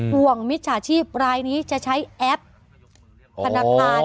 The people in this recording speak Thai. มิจฉาชีพรายนี้จะใช้แอปธนาคาร